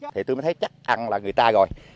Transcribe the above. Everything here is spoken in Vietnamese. thì tôi mới thấy chắc ăn là người ta rồi